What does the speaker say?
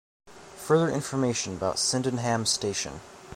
Further information about Sydenham station.